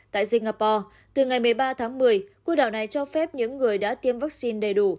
tại singapore từ ngày một mươi ba tháng một mươi cô đảo này cho phép những người đã tiêm vaccine đầy đủ